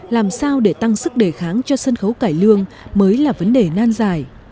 làm sao để tăng sức đề kháng cho sân khấu cái lương mới là vấn đề nan giải